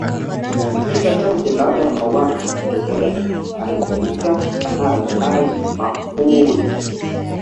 Dakika chache baada ya mauaji kutokea alifika Kanali Ali Mahfoudhi